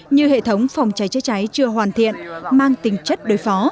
như hệ thống phòng cháy chữa cháy chưa hoàn thiện mang tính chất đối phó